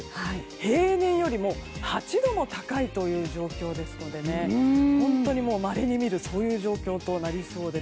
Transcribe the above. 平年よりも８度も高いという状況ですので本当にまれに見る状況となりそうです。